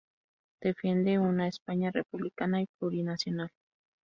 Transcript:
Defiende una España republicana y plurinacional.